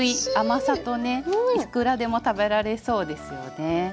いくらでも食べられそうですよね。